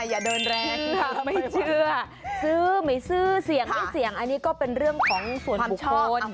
อย่าเดินแรงค่ะไม่เชื่อซื้อไม่ซื้อเสี่ยงไม่เสี่ยงอันนี้ก็เป็นเรื่องของส่วนชุมชน